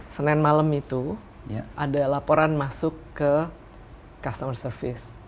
senin malam itu ada laporan masuk ke customer service